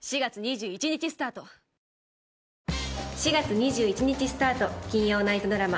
４月２１日スタート金曜ナイトドラマ